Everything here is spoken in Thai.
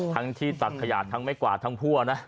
ทั้งที่ตักขยะทั้งไม้กวาดทั้งพั่วนะ